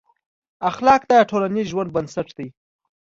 اخلاق د ټولنیز ژوند بنسټ دي.